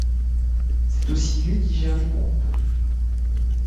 C'est aussi lui qui gère les pompes.